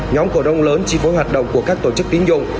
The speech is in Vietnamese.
nhóm cổ đông lớn chi phối hoạt động của các tổ chức tín dụng